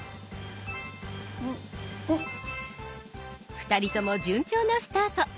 ２人とも順調なスタート。